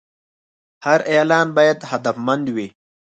هر اعلان باید هدفمند وي.